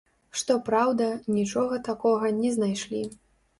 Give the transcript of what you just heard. Што праўда, нічога такога не знайшлі.